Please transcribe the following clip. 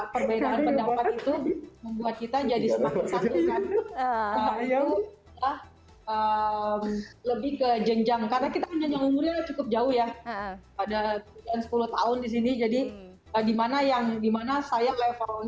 perbedaan pendapat itu membuat kita jadi semakin sanggup kan itu ada perbedaan pendapat itu membuat kita jadi semakin sanggup kan